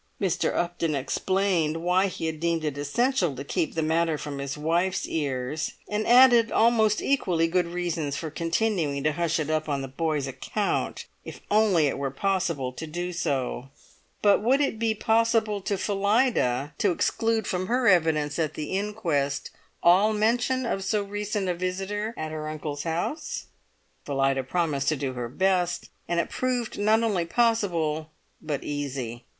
Mr. Upton explained why he had deemed it essential to keep the matter from his wife's ears, and added almost equally good reasons for continuing to hush it up on the boy's account if only it were possible to do so; but would it be possible to Phillida to exclude from her evidence at the inquest all mention of so recent a visitor at her uncle's house? Phillida promised to do her best, and it proved not only possible but easy.